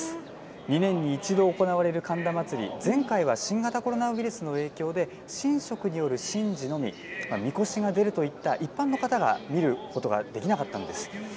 ２年に１度行われる神田祭、前回は新型コロナウイルスの影響で神職による神事のみ、みこしが出るといった一般の方が見ることができなかったんです。